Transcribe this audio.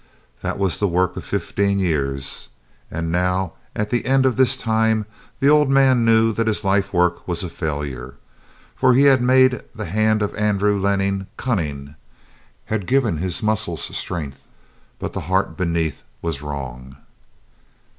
That was the work of fifteen years, and now at the end of this time the old man knew that his life work was a failure, for he had made the hand of Andrew Lanning cunning, had given his muscles strength, but the heart beneath was wrong.